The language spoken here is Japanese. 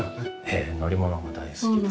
ええ乗り物が大好きで。